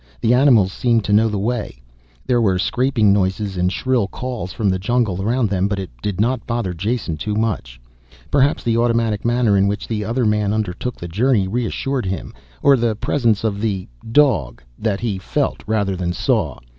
The animals seemed to know the way. There were scraping noises and shrill calls from the jungle around them, but it didn't bother Jason too much. Perhaps the automatic manner in which the other man undertook the journey reassured him. Or the presence of the "dog" that he felt rather than saw.